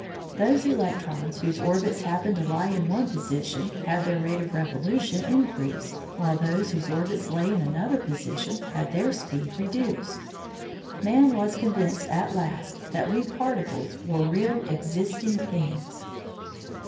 Those electrons whose orbits happened to lie in one position had their rate of revolution increased, while those whose orbits lay in another position had their speed reduced. Man was convinced at last that we "particles" were real existing things.